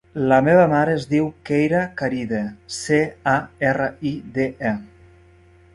La meva mare es diu Keira Caride: ce, a, erra, i, de, e.